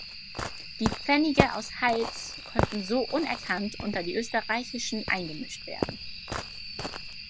Die Pfennige aus Hals konnten so unerkannt unter die österreichischen eingemischt werden.